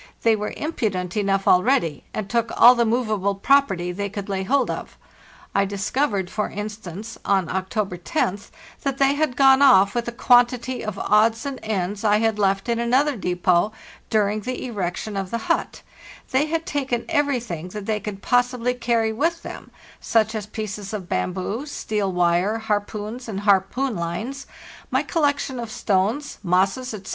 They were impudent enough already, and took all the movable property they could lay hold of. I discovered, for instance, on October 1oth, that they had gone off with a quantity of odds and ends I had left in another depot during the erection of the hut; they had taken everything that they could possi bly carry with them, such as pieces of bamboo, steel wire, harpoons and harpoon lines, my collection of stones, moss es, etc.